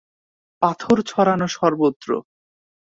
পাথর ছড়ানো সর্বত্র।